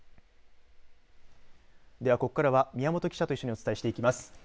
ではここからは宮本記者と一緒にお伝えしていきます。